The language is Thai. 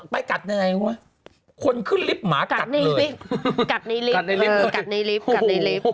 ไปกัดทำไงอะเขาขึ้นลิปเหมาะกัดเลย